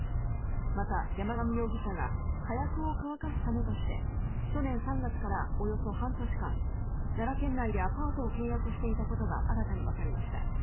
また、山上容疑者が火薬を乾かすためとして去年３月からおよそ半年間奈良県内でアパートを契約していたことが新たにわかりました。